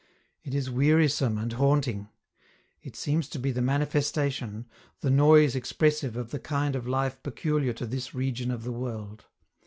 It is wearisome and haunting; it seems to be the manifestation, the noise expressive of the kind of life peculiar to this region of the world.